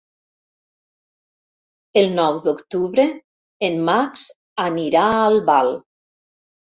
El nou d'octubre en Max anirà a Albal.